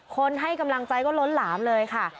ให้กำลังใจก็ล้นหลามเลยค่ะ